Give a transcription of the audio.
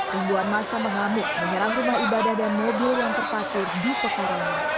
kehidupan masa mengamuk menyerang rumah ibadah dan mobil yang terparkir di pekerjaan